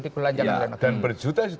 dibelanjakan oleh negara dan berjuta